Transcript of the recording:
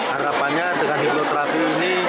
harapannya dengan hipnoterapi ini